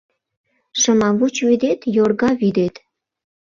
Шымавуч вӱдет, йорга вӱдет